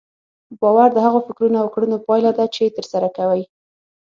باور د هغو فکرونو او کړنو پايله ده چې ترسره کوئ.